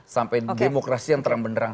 sampai demokrasi yang terang benderang